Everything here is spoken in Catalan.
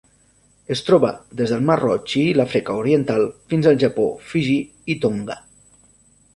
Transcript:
Es troba des del Mar Roig i l'Àfrica Oriental fins al Japó, Fiji i Tonga.